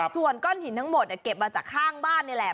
ส่วนก้อนหินทั้งหมดเก็บมาจากข้างบ้านนี่แหละ